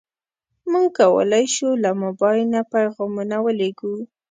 موږ کولی شو له موبایل نه پیغامونه ولېږو.